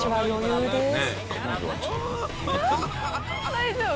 大丈夫？